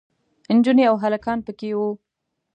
نجونې او هلکان پکې وو.